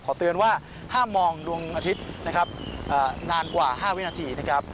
เตือนว่าห้ามมองดวงอาทิตย์นะครับนานกว่า๕วินาทีนะครับ